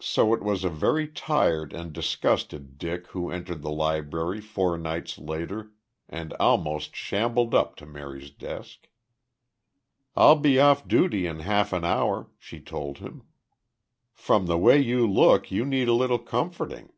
So it was a very tired and disgusted Dick who entered the Library four nights later and almost shambled up to Mary's desk. "I'll be off duty in half an hour," she told him. "From the way you look, you need a little comforting."